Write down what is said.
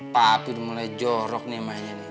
tapi udah mulai jorok nih mainnya nih